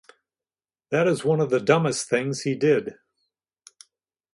That is one of the dumbest things he did.